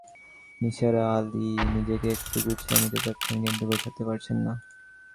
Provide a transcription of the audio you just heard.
নিসার আলি নিজেকে একটু গুছিয়ে নিতে চাচ্ছেন, কিন্তু গোছাতে পারছেন না।